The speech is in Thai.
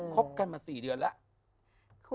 บกันมา๔เดือนแล้ว